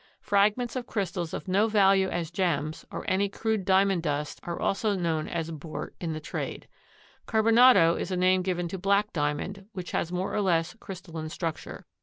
Fragments of crystals of no value as gems or any crude Diamond dust are also known as bort in trade. Carbonado is a name given to black Diamond which has more or less crystalline structure.